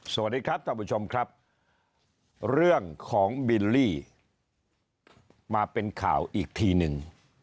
สวัสดีครับท่านผู้ชมครับเรื่องของบิลลี่มาเป็นข่าวอีกทีหนึ่ง